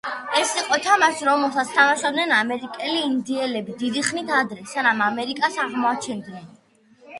ეს იყო თამაში, რომელსაც თამაშობდნენ ამერიკელი ინდიელები დიდი ხნით ადრე, სანამ ამერიკას აღმოაჩენდნენ.